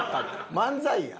漫才や。